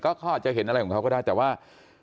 เขาอาจจะเห็นอะไรของเขาก็ได้แต่ว่า